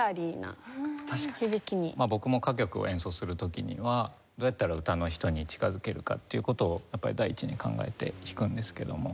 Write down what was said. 僕も歌曲を演奏する時にはどうやったら歌の人に近づけるかっていう事を第一に考えて弾くんですけども。